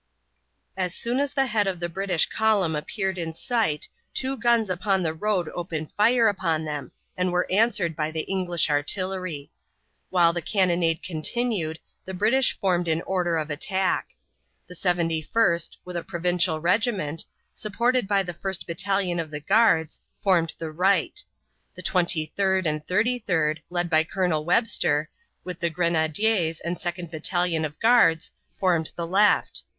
As soon as the head of the British column appeared in sight two guns upon the road opened fire upon them and were answered by the English artillery. While the cannonade continued the British formed in order of attack. The Seventy first, with a provincial regiment, supported by the first battalion of the guards, formed the right; the Twenty third and Thirty third, led by Colonel Webster, with the grenadiers and second battalion of guards, formed the left.